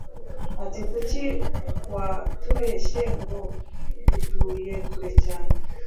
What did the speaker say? ati kuki mwatubeshye ngo 'dutuye kure cyane'